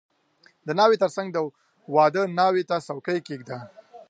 • د ناوې تر څنګ د واده ناوې ته څوکۍ کښېږده.